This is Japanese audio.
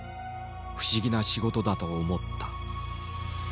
不思議な仕事だと思った。